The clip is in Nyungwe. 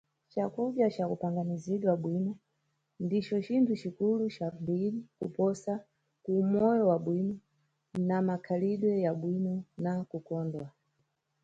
Cakudya ca kupanganizidwa bwino ndico cinthu cikulu ca mbiri kuposa ku umoyo wabwino, na makhalidwe ya bwino na kukondwa.